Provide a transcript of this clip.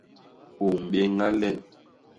U mbéña len.